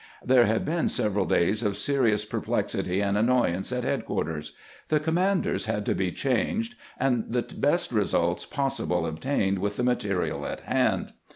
There had been several days of serious perplexity and annoyance at headquarters. The commanders had to be changed, and the best results possible obtained with the material at hand.